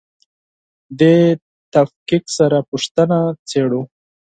دې تفکیک سره پوښتنه څېړو.